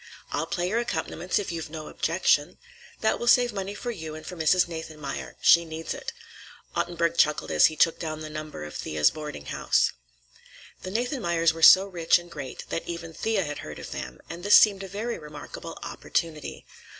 I'll play your accompaniments, if you've no objection. That will save money for you and for Mrs. Nathanmeyer. She needs it." Ottenburg chuckled as he took down the number of Thea's boarding house. The Nathanmeyers were so rich and great that even Thea had heard of them, and this seemed a very remarkable opportunity.